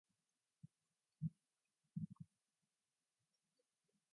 He also consulted for Vice President Al Gore and Senator Edward Kennedy.